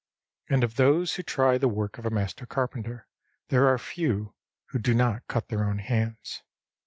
And of those who try the work of a master carpenter there are few who do not cut their own hands.